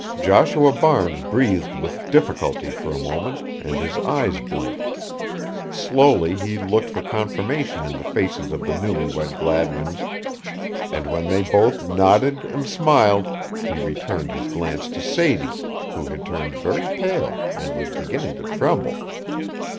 Joshua Barnes breathed with difficulty for a moment and his eyes blinked. Slowly he looked for confirmation in the faces of the newlywed Gladwins, and when they both nodded and smiled, he returned his glance to Sadie, who had turned very pale and was beginning to tremble.